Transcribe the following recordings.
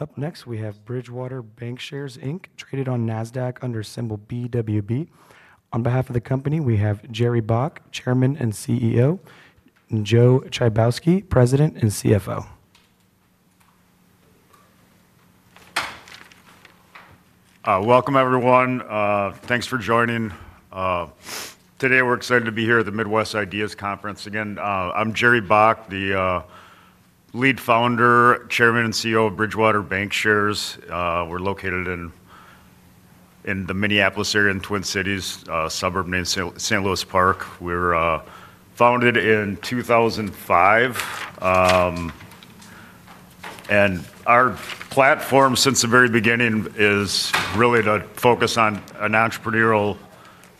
Up next, we have Bridgewater Bancshares, Inc., traded on NASDAQ under symbol BWB. On behalf of the company, we have Jerry Baack, Chairman and CEO, and Joe Chybowski, President and CFO. Welcome, everyone. Thanks for joining. Today, we're excited to be here at the Midwest Ideas Conference. Again, I'm Jerry Baack, the lead founder, Chairman and CEO of Bridgewater Bancshares. We're located in the Minneapolis area, in Twin Cities, suburb named St. Louis Park. We were founded in 2005. Our platform, since the very beginning, is really to focus on an entrepreneurial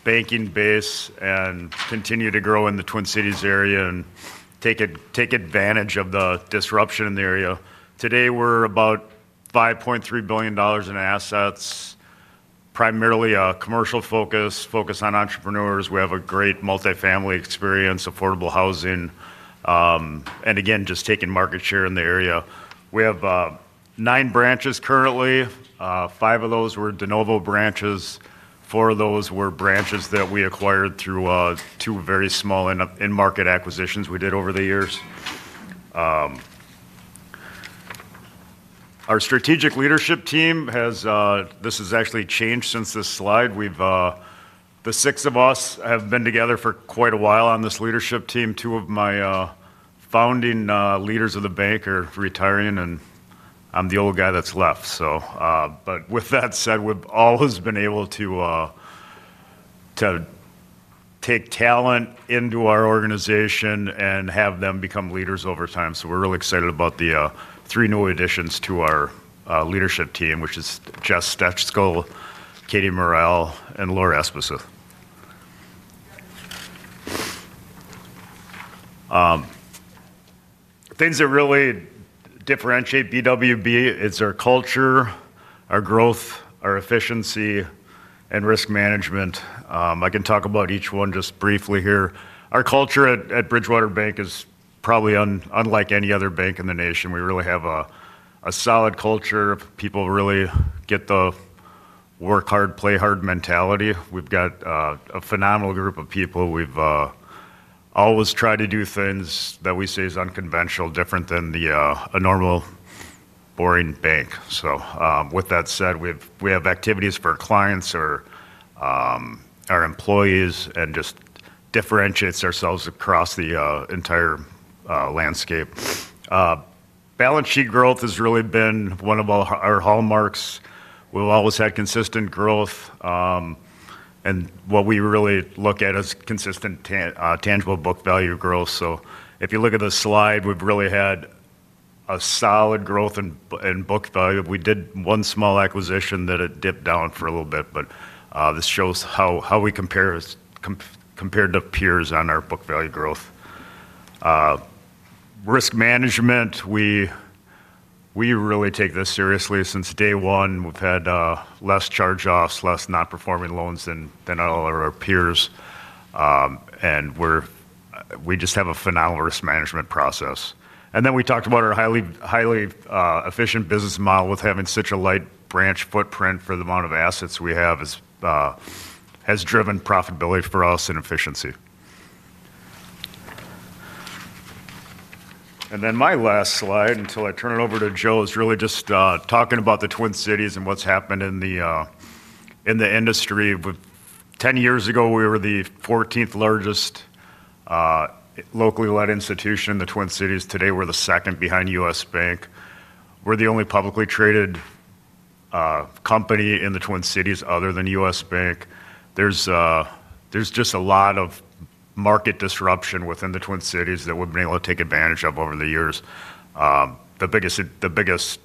banking base and continue to grow in the Twin Cities area and take advantage of the disruption in the area. Today, we're about $5.3 billion in assets, primarily a commercial focus, focused on entrepreneurs. We have a great multifamily experience, affordable housing, and again, just taking market share in the area. We have nine branches currently. Five of those were de novo branches. Four of those were branches that we acquired through two very small in-market acquisitions we did over the years. Our strategic leadership team has, this has actually changed since this slide. The six of us have been together for quite a while on this leadership team. Two of my founding leaders of the bank are retiring, and I'm the only guy that's left. With that said, we've always been able to take talent into our organization and have them become leaders over time. We're really excited about the three new additions to our leadership team, which is Jess Stejskal, Katie Morrell, and Laura Esposito. Things that really differentiate BWB is our culture, our growth, our efficiency, and risk management. I can talk about each one just briefly here. Our culture at Bridgewater Bank is probably unlike any other bank in the nation. We really have a solid culture. People really get the work hard, play hard mentality. We've got a phenomenal group of people. We've always tried to do things that we say are unconventional, different than a normal, boring bank. We have activities for clients or our employees and just differentiate ourselves across the entire landscape. Balance sheet growth has really been one of our hallmarks. We've always had consistent growth. What we really look at is consistent, tangible book value growth. If you look at the slide, we've really had a solid growth in book value. We did one small acquisition that it dipped down for a little bit, but this shows how we compare compared to peers on our book value growth. Risk management, we really take this seriously. Since day one, we've had less charge-offs, less non-performing loans than all of our peers. We just have a phenomenal risk management process. We talked about our highly efficient business model, with having such a light branch footprint for the amount of assets we have, which has driven profitability for us and efficiency. My last slide, until I turn it over to Joe, is really just talking about the Twin Cities and what's happened in the industry. 10 years ago, we were the 14th largest locally led institution in the Twin Cities. Today, we're the second behind U.S. Bank. We're the only publicly traded company in the Twin Cities other than U.S. Bank. There's just a lot of market disruption within the Twin Cities that we've been able to take advantage of over the years. The biggest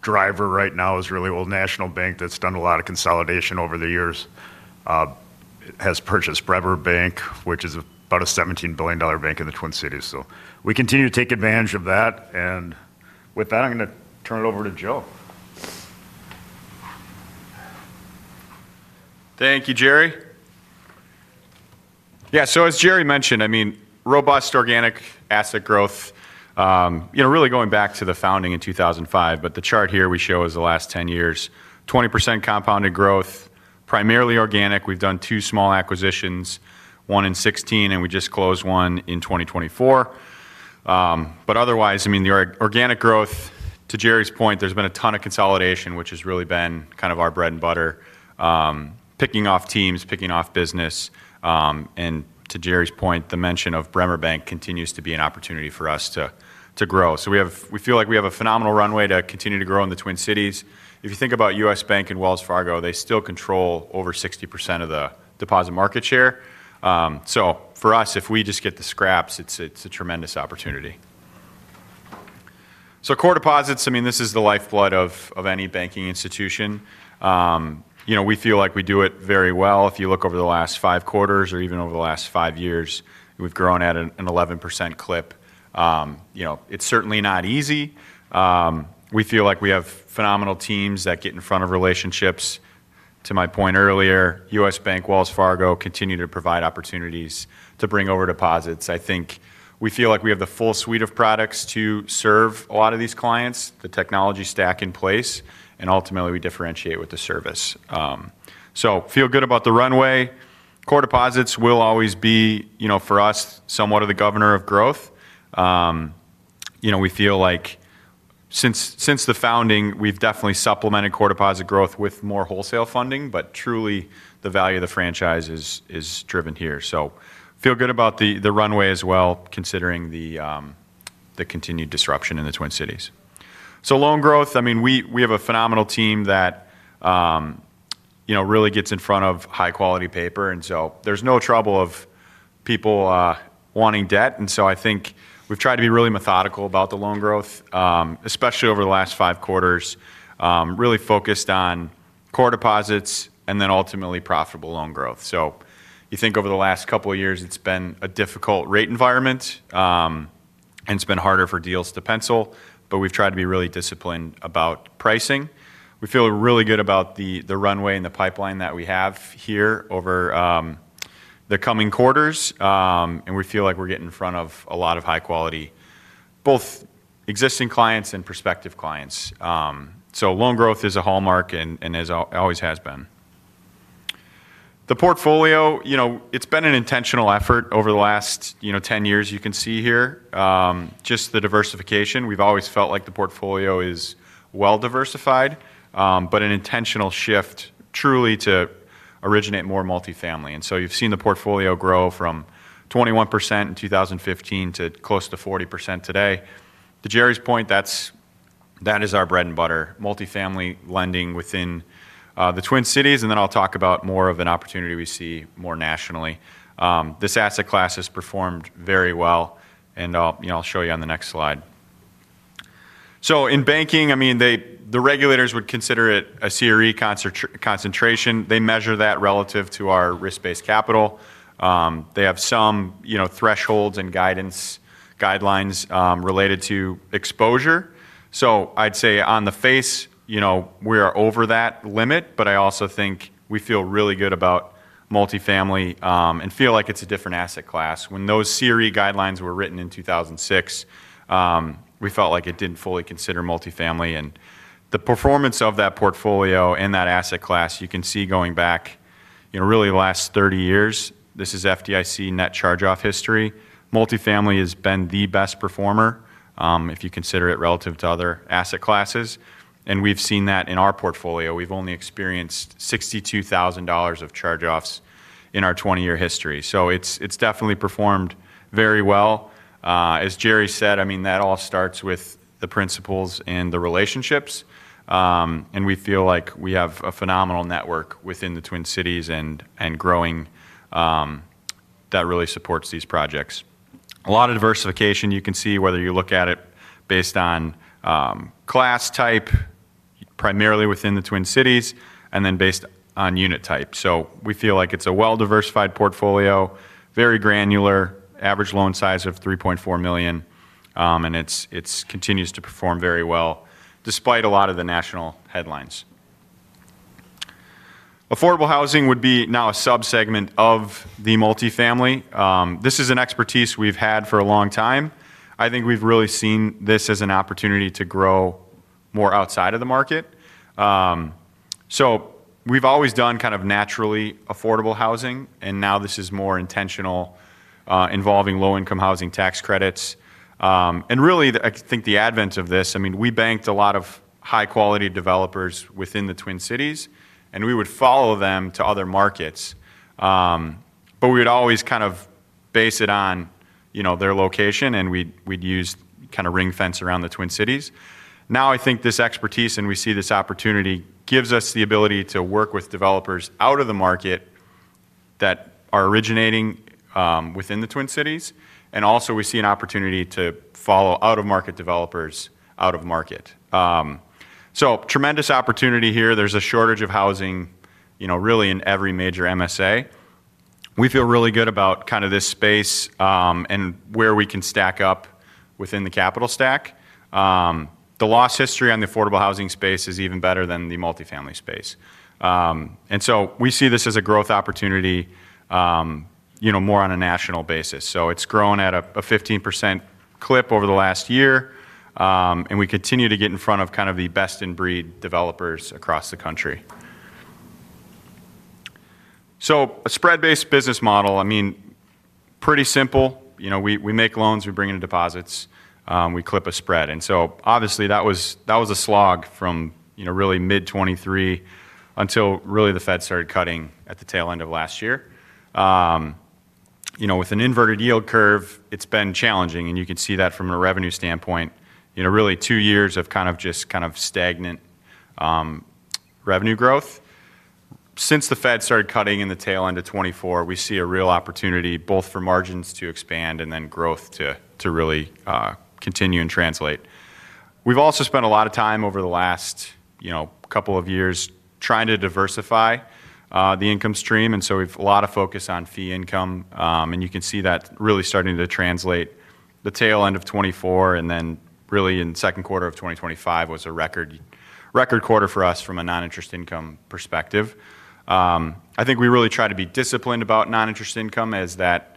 driver right now is really Old National Bank, which has done a lot of consolidation over the years. It has purchased Bremer Bank, which is about a $17 billion bank in the Twin Cities. We continue to take advantage of that. With that, I'm going to turn it over to Joe. Thank you, Jerry. Yeah, as Jerry mentioned, robust organic asset growth, really going back to the founding in 2005. The chart here we show is the last 10 years, 20% compounded growth, primarily organic. We've done two small acquisitions, one in 2016, and we just closed one in 2024. Otherwise, the organic growth, to Jerry's point, there's been a ton of consolidation, which has really been kind of our bread and butter, picking off teams, picking off business. To Jerry's point, the mention of Bremer Bank continues to be an opportunity for us to grow. We feel like we have a phenomenal runway to continue to grow in the Twin Cities. If you think about U.S. Bank and Wells Fargo, they still control over 60% of the deposit market share. For us, if we just get the scraps, it's a tremendous opportunity. Core deposits, this is the lifeblood of any banking institution. We feel like we do it very well. If you look over the last five quarters or even over the last five years, we've grown at an 11% clip. It's certainly not easy. We feel like we have phenomenal teams that get in front of relationships. To my point earlier, U.S. Bank, Wells Fargo continue to provide opportunities to bring over deposits. I think we feel like we have the full suite of products to serve a lot of these clients, the technology stack in place, and ultimately, we differentiate with the service. Feel good about the runway. Core deposits will always be, for us, somewhat of the governor of growth. We feel like since the founding, we've definitely supplemented core deposit growth with more wholesale funding, but truly, the value of the franchise is driven here. Feel good about the runway as well, considering the continued disruption in the Twin Cities. Loan growth, we have a phenomenal team that really gets in front of high-quality paper. There's no trouble of people wanting debt. I think we've tried to be really methodical about the loan growth, especially over the last five quarters, really focused on core deposits and then ultimately profitable loan growth. You think over the last couple of years, it's been a difficult rate environment, and it's been harder for deals to pencil, but we've tried to be really disciplined about pricing. We feel really good about the runway and the pipeline that we have here over the coming quarters. We feel like we're getting in front of a lot of high-quality, both existing clients and prospective clients. Loan growth is a hallmark and always has been. The portfolio, you know, it's been an intentional effort over the last 10 years. You can see here just the diversification. We've always felt like the portfolio is well diversified, but an intentional shift truly to originate more multifamily. You've seen the portfolio grow from 21% in 2015 to close to 40% today. To Jerry's point, that is our bread and butter, multifamily lending within the Twin Cities. I'll talk about more of an opportunity we see more nationally. This asset class has performed very well. I'll show you on the next slide. In banking, the regulators would consider it a CRE concentration. They measure that relative to our risk-based capital. They have some, you know, thresholds and guidelines related to exposure. I'd say on the face, you know, we are over that limit, but I also think we feel really good about multifamily and feel like it's a different asset class. When those CRE guidelines were written in 2006, we felt like it didn't fully consider multifamily. The performance of that portfolio and that asset class, you can see going back, you know, really the last 30 years. This is FDIC net charge-off history. Multifamily has been the best performer if you consider it relative to other asset classes. We've seen that in our portfolio. We've only experienced $62,000 of charge-offs in our 20-year history. It's definitely performed very well. As Jerry said, that all starts with the principles and the relationships. We feel like we have a phenomenal network within the Twin Cities and growing that really supports these projects. A lot of diversification, you can see whether you look at it based on class type, primarily within the Twin Cities, and then based on unit type. We feel like it's a well-diversified portfolio, very granular, average loan size of $3.4 million. It continues to perform very well despite a lot of the national headlines. Affordable housing would be now a subsegment of the multifamily. This is an expertise we've had for a long time. I think we've really seen this as an opportunity to grow more outside of the market. We've always done kind of naturally affordable housing. Now this is more intentional, involving low-income housing tax credits. I think the advent of this, I mean, we banked a lot of high-quality developers within the Twin Cities. We would follow them to other markets, but we would always kind of base it on their location. We'd use kind of a ring fence around the Twin Cities. Now I think this expertise, and we see this opportunity, gives us the ability to work with developers out of the market that are originating within the Twin Cities. We also see an opportunity to follow out-of-market developers out of market. Tremendous opportunity here. There's a shortage of housing, really in every major MSA. We feel really good about this space and where we can stack up within the capital stack. The loss history on the affordable housing space is even better than the multifamily space. We see this as a growth opportunity, more on a national basis. It's grown at a 15% clip over the last year. We continue to get in front of the best-in-breed developers across the country. A spread-based business model, pretty simple. We make loans, we bring in deposits, we clip a spread. Obviously, that was a slog from really mid-2023 until the Fed started cutting at the tail end of last year. With an inverted yield curve, it's been challenging. You can see that from a revenue standpoint. Two years of just stagnant revenue growth. Since the Fed started cutting in the tail end of 2024, we see a real opportunity both for margins to expand and then growth to really continue and translate. We've also spent a lot of time over the last couple of years trying to diversify the income stream. We have a lot of focus on fee income, and you can see that really starting to translate at the tail end of 2024. In the second quarter of 2025, it was a record quarter for us from a non-interest income perspective. I think we really try to be disciplined about non-interest income as that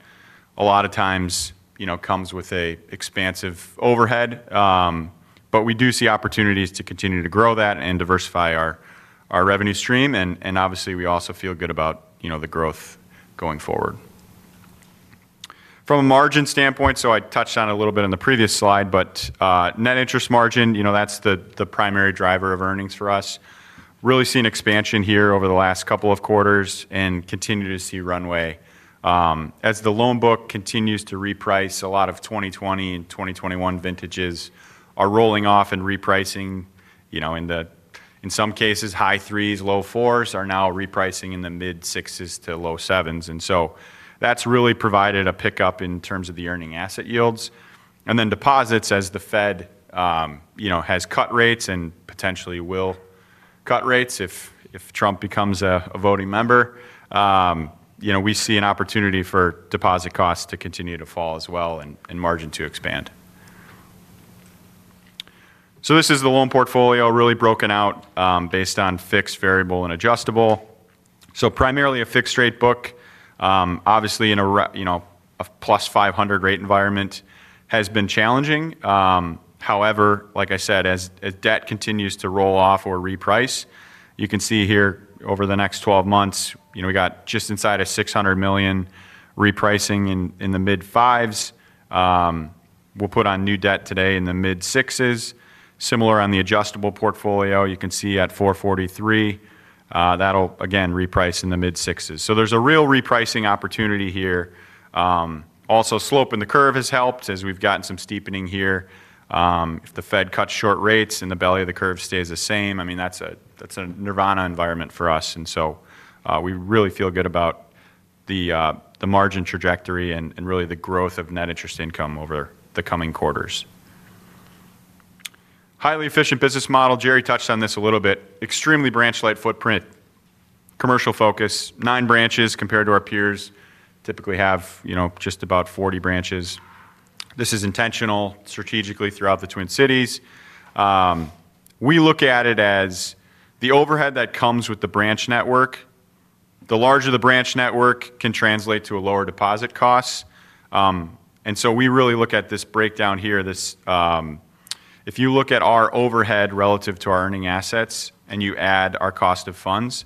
a lot of times comes with an expansive overhead. We do see opportunities to continue to grow that and diversify our revenue stream. We also feel good about the growth going forward. From a margin standpoint, I touched on it a little bit on the previous slide, but net interest margin, that's the primary driver of earnings for us. Really seen expansion here over the last couple of quarters and continue to see runway. As the loan book continues to reprice, a lot of 2020 and 2021 vintages are rolling off and repricing, you know, in some cases, high 3%s, low 4%s are now repricing in the mid-6%s to low 7%s. That's really provided a pickup in terms of the earning asset yields. Deposits, as the Fed, you know, has cut rates and potentially will cut rates if Trump becomes a voting member, you know, we see an opportunity for deposit costs to continue to fall as well and margin to expand. This is the loan portfolio really broken out based on fixed, variable, and adjustable. Primarily a fixed-rate book. Obviously, in a, you know, a +500 rate environment has been challenging. However, like I said, as debt continues to roll off or reprice, you can see here over the next 12 months, you know, we got just inside of $600 million repricing in the mid-5%. We'll put on new debt today in the mid-6%s. Similar on the adjustable portfolio, you can see at $443 million, that'll again reprice in the mid-6%s. There's a real repricing opportunity here. Also, sloping the curve has helped as we've gotten some steepening here. If the Fed cuts short rates and the belly of the curve stays the same, I mean, that's a nirvana environment for us. We really feel good about the margin trajectory and really the growth of net interest income over the coming quarters. Highly efficient business model. Jerry touched on this a little bit. Extremely branch-light footprint. Commercial focus. Nine branches compared to our peers. Typically have, you know, just about 40 branches. This is intentional strategically throughout the Twin Cities. We look at it as the overhead that comes with the branch network. The larger the branch network can translate to a lower deposit cost. We really look at this breakdown here. If you look at our overhead relative to our earning assets and you add our cost of funds,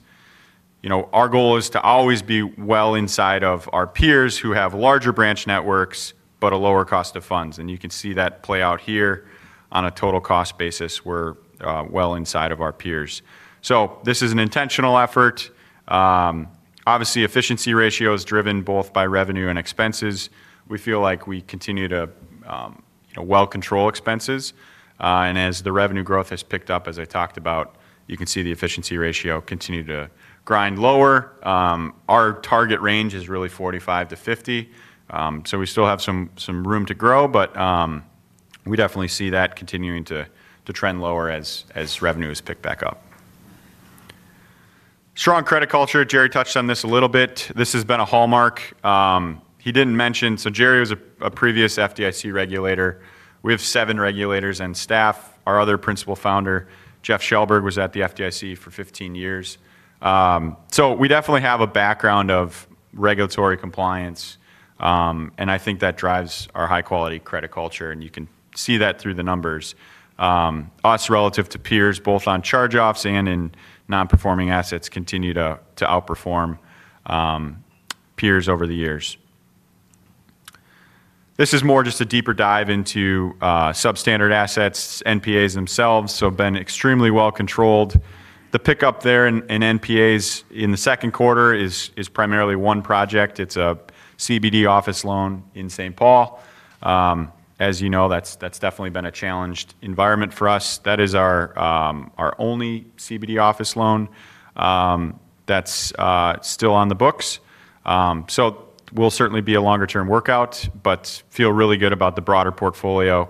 you know, our goal is to always be well inside of our peers who have larger branch networks but a lower cost of funds. You can see that play out here on a total cost basis. We're well inside of our peers. This is an intentional effort. Obviously, efficiency ratio is driven both by revenue and expenses. We feel like we continue to well control expenses. As the revenue growth has picked up, as I talked about, you can see the efficiency ratio continue to grind lower. Our target range is really 45%-50%. We still have some room to grow, but we definitely see that continuing to trend lower as revenue has picked back up. Strong credit culture. Jerry touched on this a little bit. This has been a hallmark. He didn't mention, so Jerry was a previous FDIC regulator. We have seven regulators on staff. Our other principal founder, Jeff Shellberg, was at the FDIC for 15 years. We definitely have a background of regulatory compliance, and I think that drives our high-quality credit culture. You can see that through the numbers. Us, relative to peers, both on charge-offs and in non-performing assets, continue to outperform peers over the years. This is more just a deeper dive into substandard assets, NPAs themselves. Been extremely well controlled. The pickup there in NPAs in the second quarter is primarily one project. It's a CBD office loan in St. Paul. As you know, that's definitely been a challenged environment for us. That is our only CBD office loan that's still on the books. It will certainly be a longer-term workout, but feel really good about the broader portfolio.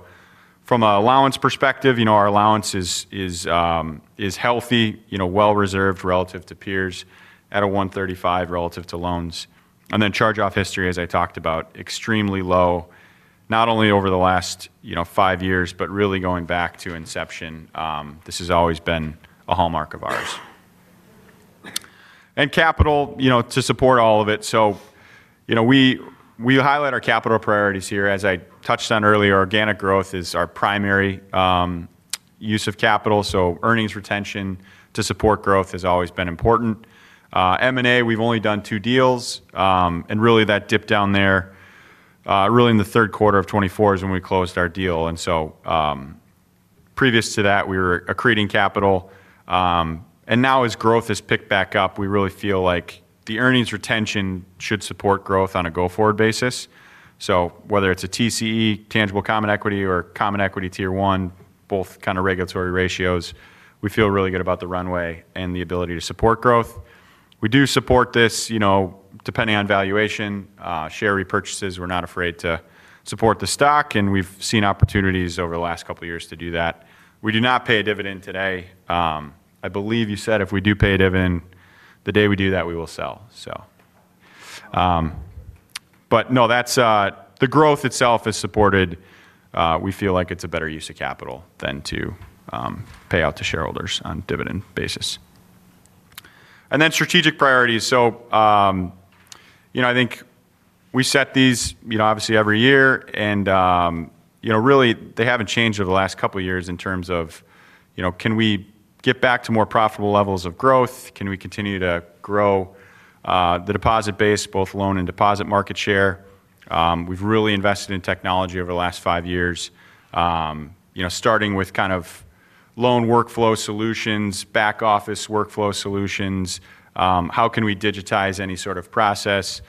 From an allowance perspective, our allowance is healthy, well-reserved relative to peers at 1.35% relative to loans. Charge-off history, as I talked about, extremely low, not only over the last five years, but really going back to inception. This has always been a hallmark of ours. Capital, to support all of it. We highlight our capital priorities here. As I touched on earlier, organic growth is our primary use of capital. Earnings retention to support growth has always been important. M&A, we've only done two deals. That dip down there, in the third quarter of 2024, is when we closed our deal. Previous to that, we were accreting capital. Now as growth has picked back up, we really feel like the earnings retention should support growth on a go-forward basis. Whether it's a TCE, tangible common equity, or common equity tier 1, both kind of regulatory ratios, we feel really good about the runway and the ability to support growth. We do support this, depending on valuation, share repurchases. We're not afraid to support the stock, and we've seen opportunities over the last couple of years to do that. We do not pay a dividend today. I believe you said if we do pay a dividend, the day we do that, we will sell. No, the growth itself is supported. We feel like it's a better use of capital than to pay out to shareholders on a dividend basis. Strategic priorities, I think we set these obviously every year. Really, they haven't changed over the last couple of years in terms of can we get back to more profitable levels of growth? Can we continue to grow the deposit base, both loan and deposit market share? We've really invested in technology over the last five years, starting with kind of loan workflow solutions, back office workflow solutions. How can we digitize any sort of process?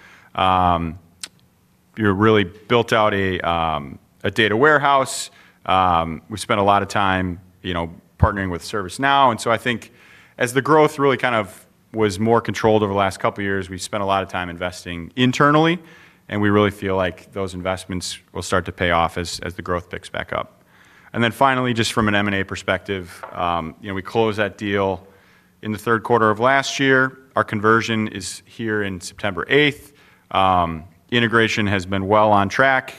Really built out a data warehouse. We spent a lot of time partnering with ServiceNow. I think as the growth really kind of was more controlled over the last couple of years, we spent a lot of time investing internally. We really feel like those investments will start to pay off as the growth picks back up. Finally, just from an M&A perspective, we closed that deal in the third quarter of last year. Our conversion is here in September 8th. Integration has been well on track.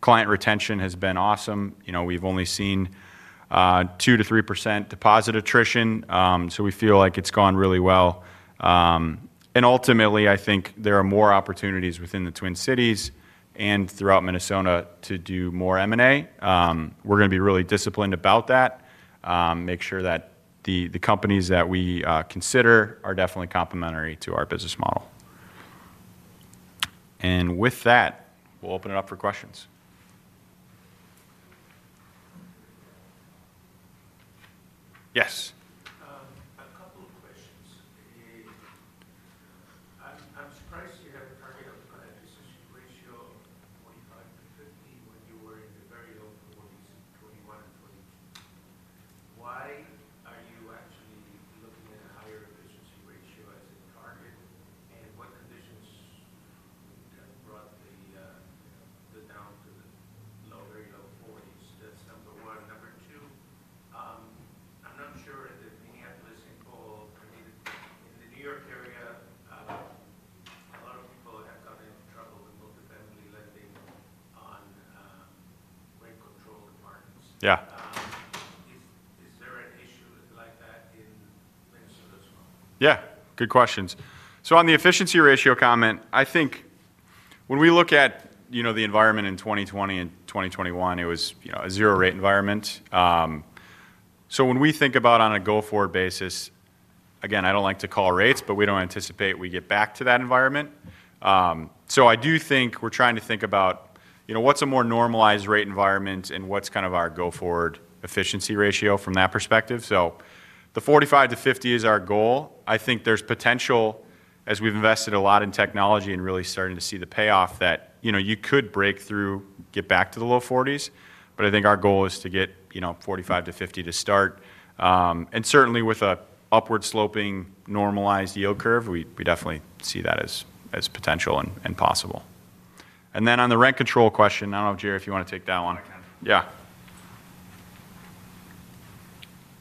Client retention has been awesome. We've only seen 2%-3% deposit attrition. We feel like it's gone really well. Ultimately, I think there are more opportunities within the Twin Cities and throughout Minnesota to do more M&A. We're going to be really disciplined about that. Make sure that the companies that we consider are definitely complementary to our business model. With that, we'll open it up for questions. Yes. A couple of questions. I'm surprised to see that target on the credit is such a ratio of 45:15 when you were in the very low performance in 2021 and 2022. Why are you actually looking at a higher residency ratio as a target? In what conditions brought that down to the very low 40%s? That's number one. Number two, I'm not sure that many have listened for, I mean, in the New York area, a lot of people have got. Yeah, good questions. On the efficiency ratio comment, I think when we look at the environment in 2020 and 2021, it was a zero-rate environment. When we think about on a go-forward basis, again, I don't like to call rates, but we don't anticipate we get back to that environment. I do think we're trying to think about what's a more normalized rate environment and what's kind of our go-forward efficiency ratio from that perspective. The 45%-50% is our goal. I think there's potential, as we've invested a lot in technology and really starting to see the payoff, that you could break through, get back to the low 40%. I think our goal is to get 45%-50% to start. Certainly, with an upward sloping normalized yield curve, we definitely see that as potential and possible. On the rent control question, I don't know, Jerry, if you want to take that one. Yeah.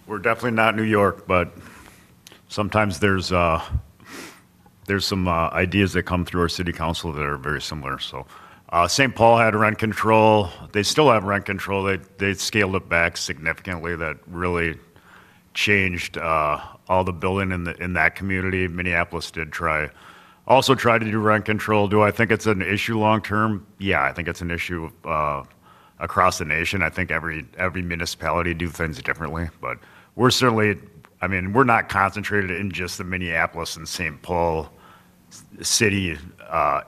We're definitely not New York, but sometimes there's some ideas that come through our city council that are very similar. St. Paul had rent control. They still have rent control. They scaled it back significantly. That really changed all the building in that community. Minneapolis did try, also tried to do rent control. Do I think it's an issue long-term? Yeah, I think it's an issue across the nation. I think every municipality does things differently. We're certainly not concentrated in just the Minneapolis and St. Paul city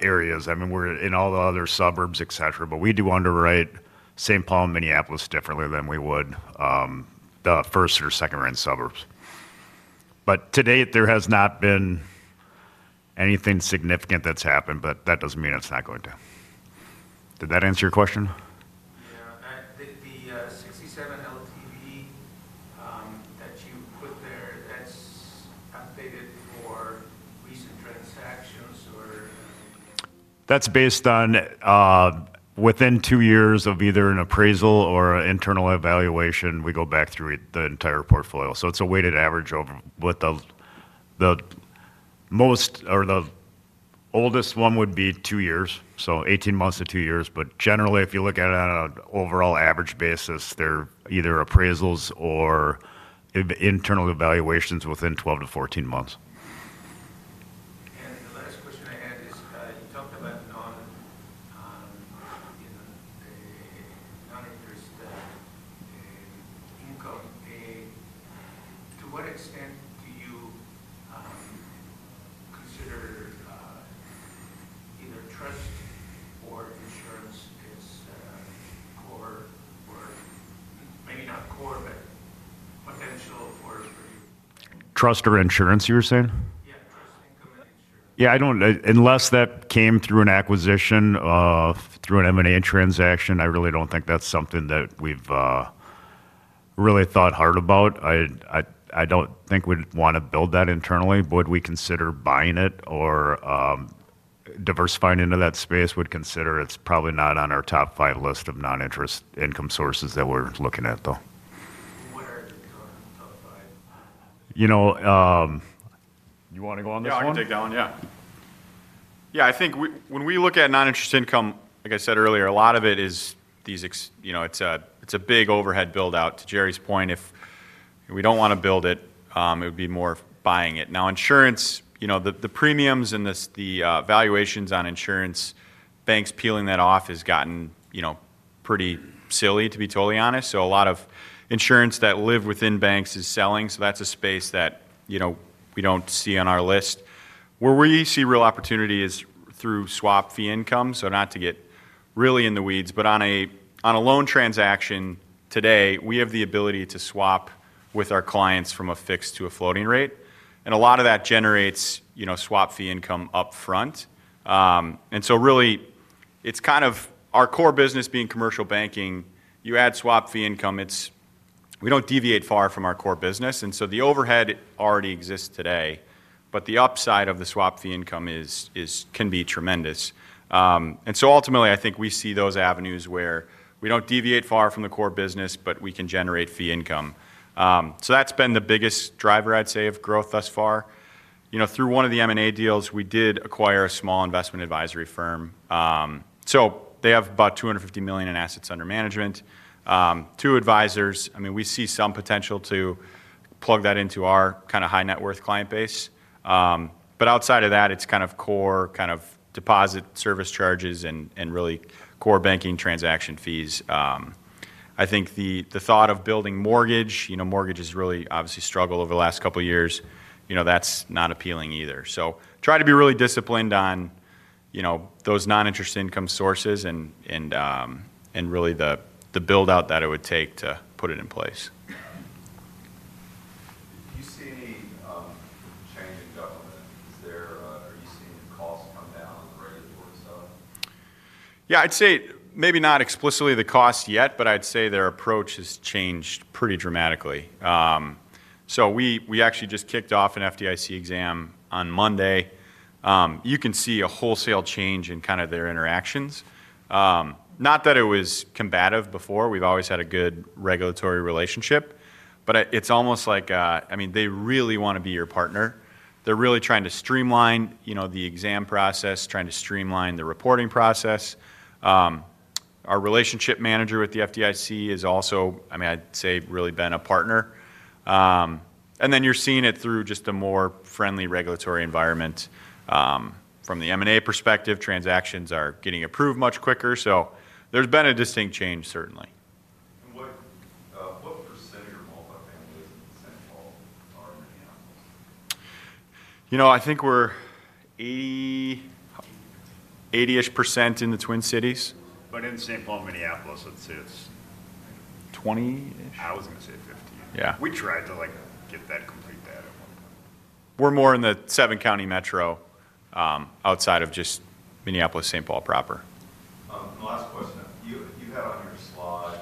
areas. We're in all the other suburbs, et cetera. We do underwrite St. Paul and Minneapolis differently than we would the first or second-ranked suburbs. To date, there has not been anything significant that's happened. That doesn't mean it's not going to. Did that answer your question? Yeah, the 67% LTV that you put there, that's updated for recent transactions. That's based on within two years of either an appraisal or an internal evaluation. We go back through the entire portfolio. It's a weighted average of what the most or the oldest one would be, two years, so 18 months to two years. Generally, if you look at it on an overall average basis, they're either appraisals or internal evaluations within 12 months-14 months. The last question I had is you talked about non-interest income. To what extent do you consider it either trust or insurance, just core financial or? Trust or insurance, you were saying? I don't, unless that came through an acquisition, through an M&A transaction, I really don't think that's something that we've really thought hard about. I don't think we'd want to build that internally. Would we consider buying it or diversifying into that space? We'd consider it. It's probably not on our top five list of non-interest income sources that we're looking at, though. You know. You want to go on this one? Take that one, yeah. Yeah, I think when we look at non-interest income, like I said earlier, a lot of it is these, you know, it's a big overhead build-out. To Jerry's point, if we don't want to build it, it would be more buying it. Now, insurance, you know, the premiums and the valuations on insurance, banks peeling that off has gotten, you know, pretty silly, to be totally honest. A lot of insurance that lives within banks is selling. That's a space that, you know, we don't see on our list. Where we see real opportunity is through swap fee income. Not to get really in the weeds, but on a loan transaction today, we have the ability to swap with our clients from a fixed to a floating rate. A lot of that generates, you know, swap fee income up front. It's kind of our core business being commercial banking. You add swap fee income, we don't deviate far from our core business. The overhead already exists today. The upside of the swap fee income can be tremendous. Ultimately, I think we see those avenues where we don't deviate far from the core business, but we can generate fee income. That's been the biggest driver, I'd say, of growth thus far. Through one of the M&A deals, we did acquire a small investment advisory firm. They have about $250 million in assets under management. Two advisors, I mean, we see some potential to plug that into our kind of high net worth client base. Outside of that, it's kind of core kind of deposit service charges and really core banking transaction fees. I think the thought of building mortgage, you know, mortgage has really obviously struggled over the last couple of years. That's not appealing either. Try to be really disciplined on, you know, those non-interest income sources and really the build-out that it would take to put it in place. Do you see any change in developments there, or are you seeing the cost? Yeah, I'd say maybe not explicitly the cost yet, but I'd say their approach has changed pretty dramatically. We actually just kicked off an FDIC exam on Monday. You can see a wholesale change in their interactions. Not that it was combative before. We've always had a good regulatory relationship. It's almost like they really want to be your partner. They're really trying to streamline the exam process, trying to streamline the reporting process. Our relationship manager with the FDIC has also really been a partner. You're seeing it through just a more friendly regulatory environment. From the M&A perspective, transactions are getting approved much quicker. There's been a distinct change, certainly. I think we're 80% in the Twin Cities. In St. Paul and Minneapolis, let's say it's 20%. I was going to say 15. Yeah. We tried to get that complete data one. We're more in the seven-county metro outside of just Minneapolis, St. Paul proper. The last question you had on your slide.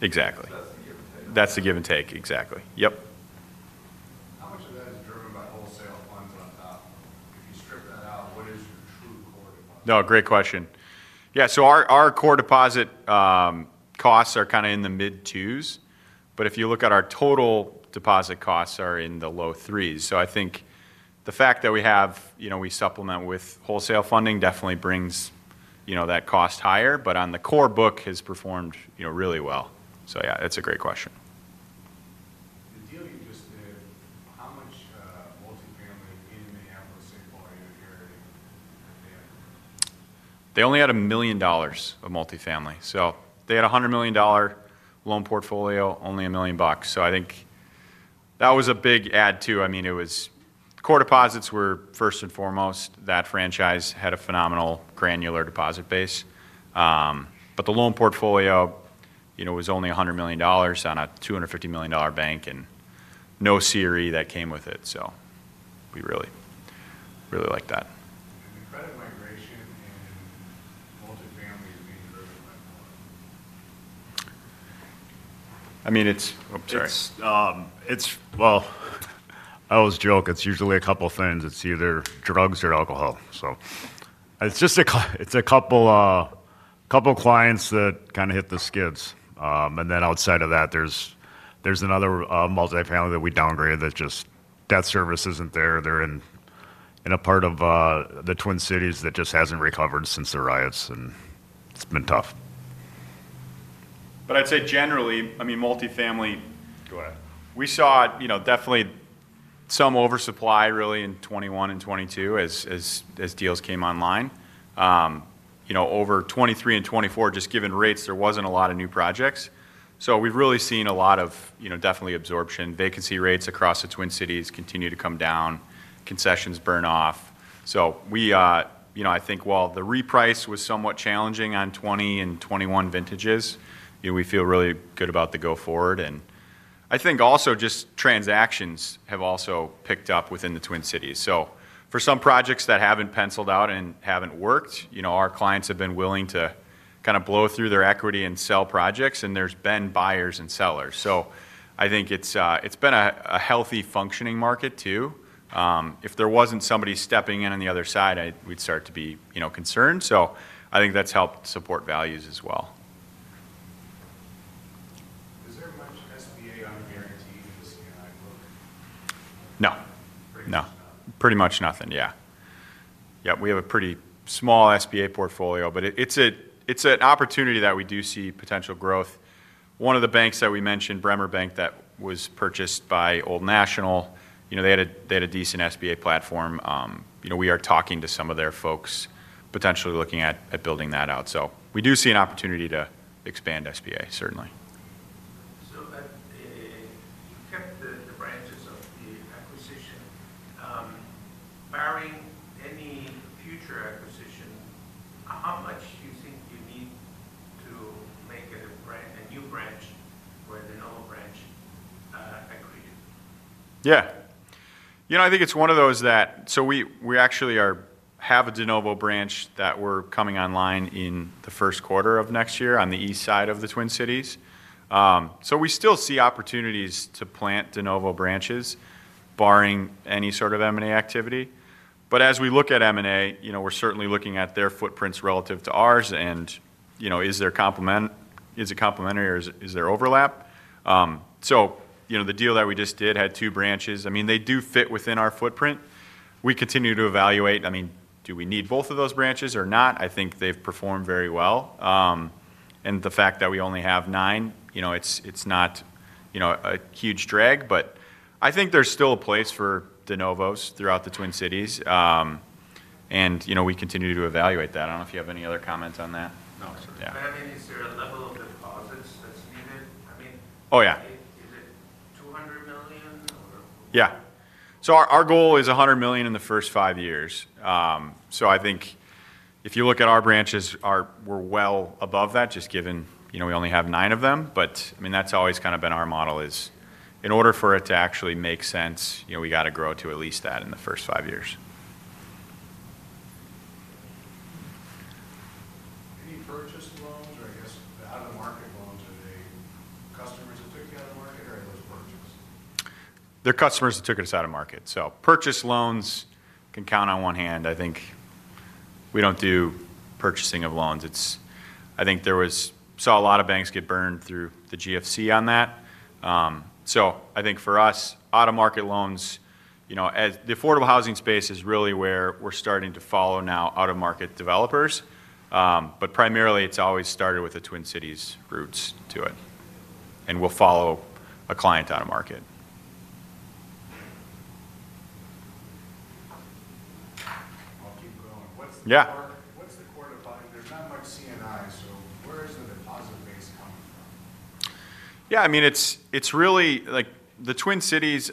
Exactly. That's the give and take. Exactly. Yep. Question that is driven by wholesale funds. If you strip that out, what is your true? Great question. Yeah, our core deposit costs are kind of in the mid-2%s. If you look at our total deposit costs, they're in the low 3%s. I think the fact that we supplement with wholesale funding definitely brings that cost higher. The core book has performed really well. That's a great question. Just how much multifamily, Finn, may I have listed for you, Jerry? They only had $1 million of multifamily. They had a $100 million loan portfolio, only $1 million. I think that was a big add too. I mean, core deposits were first and foremost. That franchise had a phenomenal granular deposit base. The loan portfolio was only $100 million on a $250 million bank and no CRE that came with it. We really, really like that. I'm sure you can't get anything multifamily to be living with. I'm sorry. I always joke. It's usually a couple of things. It's either drugs or alcohol. It's just a couple of clients that kind of hit the skids. Outside of that, there's another multifamily that we downgraded that just that service isn't there. They're in a part of the Twin Cities that just hasn't recovered since the riots, and it's been tough. I'd say generally, I mean, multifamily. We saw definitely some oversupply really in 2021 and 2022 as deals came online. Over 2023 and 2024, just given rates, there wasn't a lot of new projects. We've really seen a lot of definitely absorption. Vacancy rates across the Twin Cities continue to come down. Concessions burn off. I think while the reprice was somewhat challenging on 2020 and 2021 vintages, we feel really good about the go-forward. I think also just transactions have also picked up within the Twin Cities. For some projects that haven't penciled out and haven't worked, our clients have been willing to kind of blow through their equity and sell projects. There's been buyers and sellers. I think it's been a healthy functioning market too. If there wasn't somebody stepping in on the other side, we'd start to be concerned. I think that's helped support values as well. No, no, pretty much nothing. Yeah. We have a pretty small SBA portfolio, but it's an opportunity that we do see potential growth. One of the banks that we mentioned, Bremer Bank, that was purchased by Old National, they had a decent SBA platform. We are talking to some of their folks potentially looking at building that out. We do see an opportunity to expand SBA, certainly. You kept the branches of the acquisition. Barring any future acquisition, how much do you think you need to make it a new branching or a de novo branching? Yeah. I think it's one of those that, we actually have a de novo branch that we're coming online in the first quarter of next year on the east side of the Twin Cities. We still see opportunities to plant de novo branches, barring any sort of M&A activity. As we look at M&A, we're certainly looking at their footprints relative to ours and, you know, is it complementary or is there overlap? The deal that we just did had two branches. I mean, they do fit within our footprint. We continue to evaluate, do we need both of those branches or not? I think they've performed very well. The fact that we only have nine, it's not a huge drag, but I think there's still a place for de novos throughout the Twin Cities. We continue to evaluate that. I don't know if you have any other comments on that. No. the revenues are a level of deposits, I mean. Yeah. Our goal is $100 million in the first five years. I think if you look at our branches, we're well above that, just given, you know, we only have nine of them. I mean, that's always kind of been our model. In order for it to actually make sense, you know, we got to grow to at least that in the first five years. Any purchase loans or, I guess, the out-of-market loans? Are they customers that took you out of market or are those purchase? They're customers that took us out of market. Purchase loans can count on one hand. I think we don't do purchasing of loans. I think there was a lot of banks get burned through the GFC on that. For us, out-of-market loans, the affordable housing space is really where we're starting to follow now out-of-market developers. Primarily, it's always started with the Twin Cities roots to it. We'll follow a client out of market. What's the quarter by? They're talking about CNI. Where's the deposit base coming from? Yeah, I mean, it's really like the Twin Cities.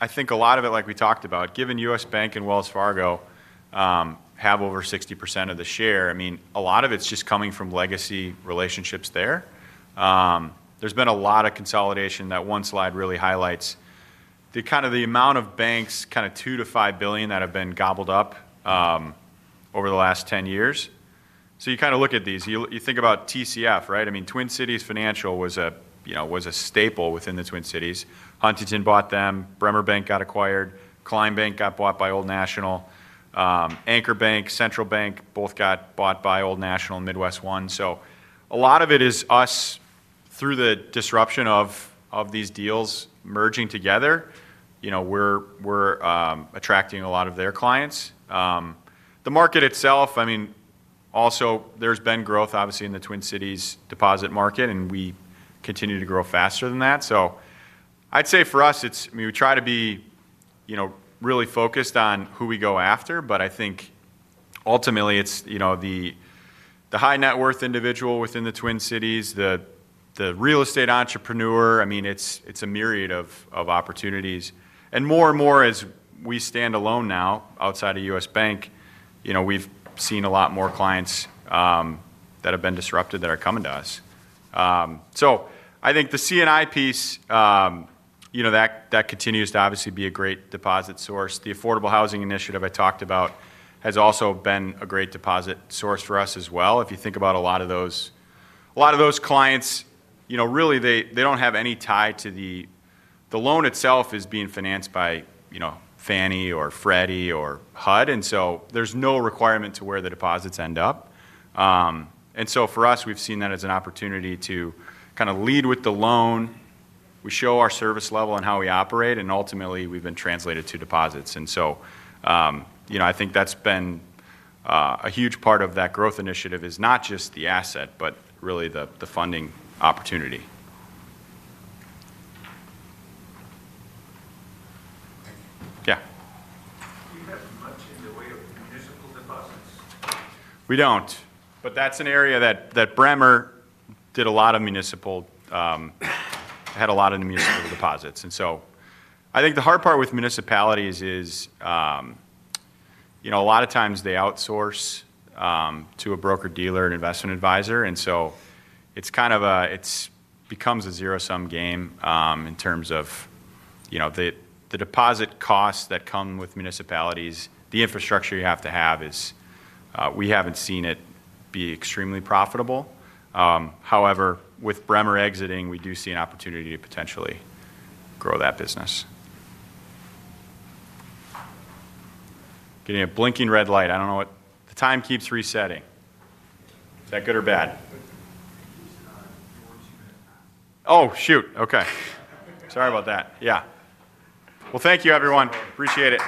I think a lot of it, like we talked about, given U.S. Bank and Wells Fargo have over 60% of the share. I mean, a lot of it's just coming from legacy relationships there. There's been a lot of consolidation. That one slide really highlights the amount of banks, kind of $2 billion-$5 billion, that have been gobbled up over the last 10 years. You kind of look at these, you think about TCF, right? I mean, Twin Cities Financial was a staple within the Twin Cities. Huntington bought them. Bremer Bank got acquired. Klein Bank got bought by Old National. Anchor Bank, Central Bank both got bought by Old National and Midwest One. A lot of it is us through the disruption of these deals merging together. We're attracting a lot of their clients. The market itself, I mean, also there's been growth, obviously, in the Twin Cities deposit market, and we continue to grow faster than that. I'd say for us, we try to be really focused on who we go after. I think ultimately it's the high net worth individual within the Twin Cities, the real estate entrepreneur. I mean, it's a myriad of opportunities. More and more as we stand alone now outside of U.S. Bank, we've seen a lot more clients that have been disrupted that are coming to us. I think the C&I piece, that continues to obviously be a great deposit source. The affordable housing initiative I talked about has also been a great deposit source for us as well. If you think about a lot of those clients, really they don't have any tie to the loan itself. It's being financed by Fannie or Freddie or HUD, and so there's no requirement to where the deposits end up. For us, we've seen that as an opportunity to lead with the loan. We show our service level and how we operate, and ultimately, we've been translated to deposits. I think that's been a huge part of that growth initiative. It's not just the asset, but really the funding opportunity. Yeah. Do you have much in the way of municipal deposits? We don't. That's an area that Bremer did a lot of municipal, had a lot of municipal deposits. I think the hard part with municipalities is, a lot of times they outsource to a broker-dealer and investment advisor. It's kind of a, it becomes a zero-sum game in terms of the deposit costs that come with municipalities. The infrastructure you have to have is, we haven't seen it be extremely profitable. However, with Bremer exiting, we do see an opportunity to potentially grow that business. Getting a blinking red light. I don't know what the time keeps resetting. Is that good or bad? Oh, shoot. Okay. Sorry about that. Thank you, everyone. Appreciate it.